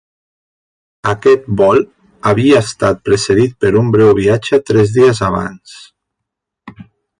Aquest vol havia estat precedit per un breu viatge tres dies abans.